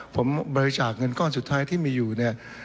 ผมบริจาคเงินก้อนสุดท้ายที่มีอยู่เนี่ย